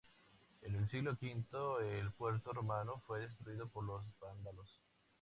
En el siglo V, el puerto romano fue destruido por los vándalos.